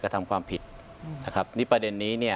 อันดับที่สุดท้าย